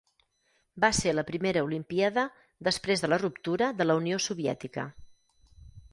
Va ser la primera Olimpíada després de la ruptura de la Unió Soviètica.